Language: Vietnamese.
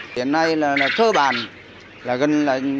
điển này là thơ bản là gần chín mươi chín mươi năm